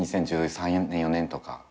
２０１３４年とか。